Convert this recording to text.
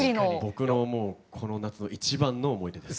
僕の思うこの夏の一番の思い出です。